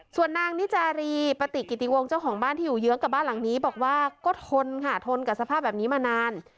ส่วนนางนิจารีปฏิกิติวงเจ้าของบ้านที่อยู่เยื้องกับบ้านหลังนี้บอกว่าก็ทนค่ะทนกับสภาพแบบนี้มานาน